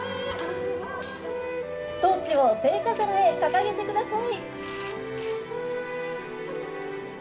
トーチを聖火皿へ掲げてください。